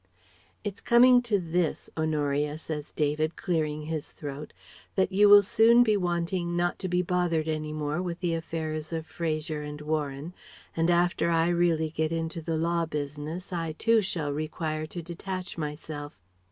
"It's coming to this, Honoria," says David, clearing his throat, "that you will soon be wanting not to be bothered any more with the affairs of Fraser and Warren, and after I really get into the Law business I too shall require to detach myself.